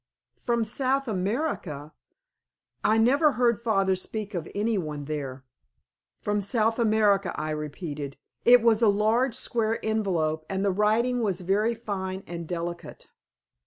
"From South America! I never heard father speak of any one there." "From South America," I repeated. "It was a large square envelope, and the writing was very fine and delicate."